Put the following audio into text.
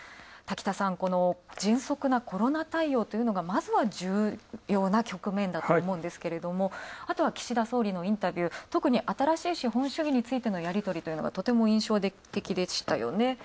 滝田さん、この迅速なコロナ対応というのがまずは重要な局面だと思うんですけれどあとは岸田総理のインタビュー、とくに新しい資本主義についてやりとりというのがとても印象的でした。